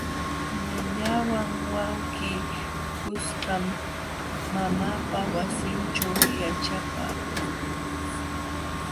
Ñañawan wawqii kuskam mamaapa wasinćhu yaćhapaakun.